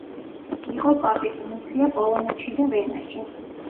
იყო პაპის ნუნცია პოლონეთში და ვენაში.